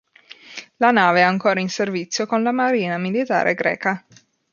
La nave è ancora in servizio con la marina militare greca.